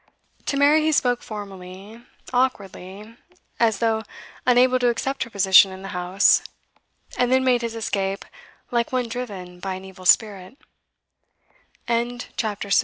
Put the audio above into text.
To Mary he spoke formally, awkwardly, as though unable to accept her position in the house, and then made his escape like one driven by